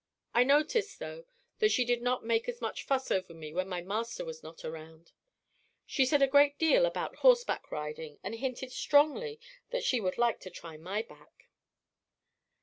I noticed, though, that she did not make as much fuss over me when my master was not around. She said a great deal about horseback riding, and hinted strongly that she would like to try my back.